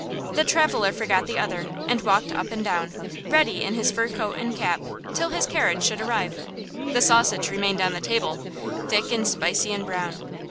The traveller forgot the other, and walked up and down, ready in his fur coat and cap, till his carriage should arrive. The sausage remained on the table, thick and spicy and brown.